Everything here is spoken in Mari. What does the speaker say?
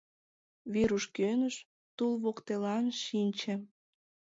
Веруш кӧныш, тул воктелан шинче.